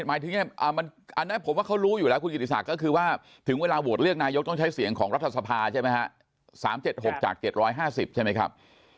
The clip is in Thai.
หมายถึงอันนั้นผมว่าเขารู้อยู่แล้วคุณกิติศักดิ์ก็คือว่าถึงเวลาโหวตเลือกนายกต้องใช้เสียงของรัฐสภาใช่ไหมฮะ๓๗๖จาก๗๕๐ใช่ไหมครับ